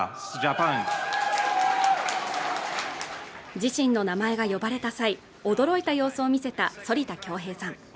自身の名前が呼ばれた際驚いた様子を見せた反田恭平さん